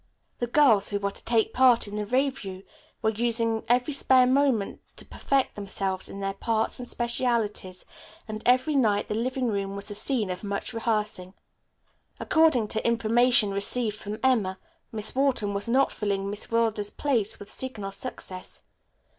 The girls who were to take part in the revue were using every spare moment to perfect themselves in their parts and specialties, and every night the living room was the scene of much rehearsing. According to information received from Emma, Miss Wharton was not filling Miss Wilder's place with signal success.